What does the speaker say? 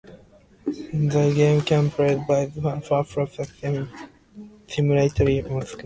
The game can be played by one to four players simultaneously.